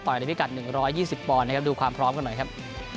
ต่ออันดับพิกัดหนึ่งร้อยยี่สิบปอนด์นะครับดูความพร้อมกันหน่อยครับ